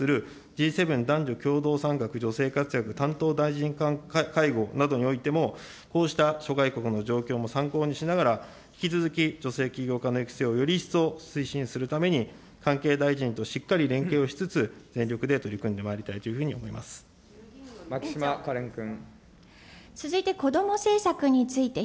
来年、わが国が栃木県日光市で初めて開催をするＧ７、男女共同参画担当大臣会合などにおいても、こうした諸外国の状況も参考にしながら、引き続き女性企業家の育成をより一層推進するために、関係大臣としっかり連携をしつつ、全力で取り組んでまいりたいというふうに牧島かれん君。